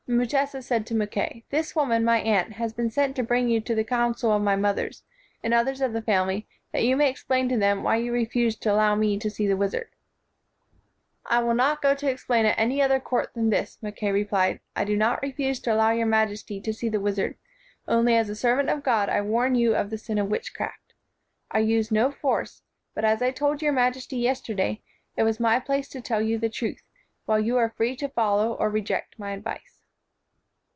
Mutesa said to Mackay, "This woman, my aunt, has been sent to bring you to the coun cil of my mother, and others of the family, that you may explain to them why you re fuse to allow me to see the wizard." "I will not go to explain at any other court than this," Mackay replied. "I do not refuse to allow your majesty to see the wizard: only as a servant of God I warn you of the sin of witchcraft. I use no force, but, as I told your majesty yesterday, it was my place to tell you the truth, while you are free to follow or reject my advice."